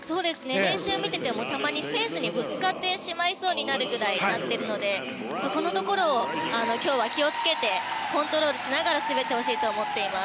練習を見ていてもたまにフェンスにぶつかってしまいそうなのでそこを今日は気を付けてコントロールしながら滑ってほしいと思います。